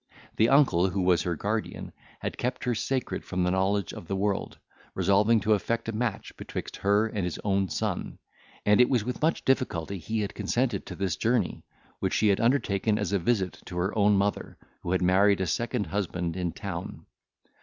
The uncle, who was her guardian, had kept her sacred from the knowledge of the world, resolving to effect a match betwixt her and his own son; and it was with much difficulty he had consented to this journey, which she had undertaken as a visit to her own mother, who had married a second husband in town.